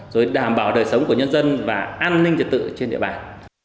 rồi đảm bảo đời sống của nhân dân và an ninh trật tự trên địa bàn